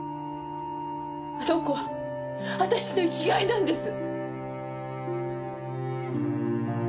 あの子は私の生き甲斐なんです！